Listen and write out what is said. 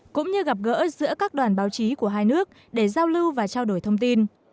cũng như gặp gỡ giữa các đoàn báo chí của hai nước để giao lưu và trao đổi thông tin